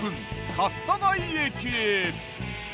勝田台駅へ。